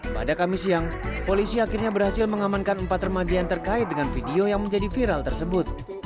pada kamis siang polisi akhirnya berhasil mengamankan empat remaja yang terkait dengan video yang menjadi viral tersebut